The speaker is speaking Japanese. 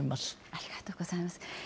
ありがとうございます。